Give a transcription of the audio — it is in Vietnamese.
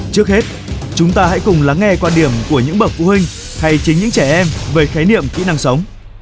trước hết chúng ta hãy cùng lắng nghe quan điểm của những bậc phụ huynh hay chính những trẻ em về khái niệm kỹ năng sống